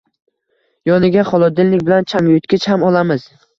Yoniga xolodilnik bilan changyutgich ham olamiz